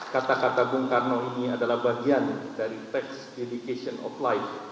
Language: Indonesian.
kata kata bung karno ini adalah bagian dari tax education of life